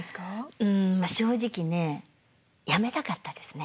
うん正直ねやめたかったですね。